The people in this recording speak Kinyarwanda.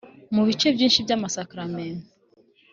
mu bice byinshi by’amasakramentu